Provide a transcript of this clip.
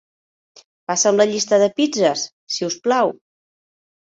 Passa'm la llista de pizzes, si us plau.